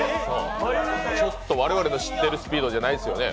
ちょっと我々の知っているスピードじゃないですよね。